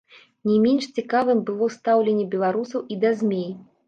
Не менш цікавым было стаўленне беларусаў і да змей.